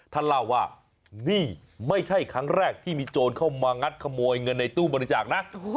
ท่านเล่าว่านี่ไม่ใช่ครั้งแรกที่มีโจรเข้ามางัดขโมยเงินในตู้บริจาคนะ